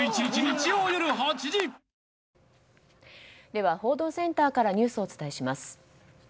では報道センターからニュースをお伝えします。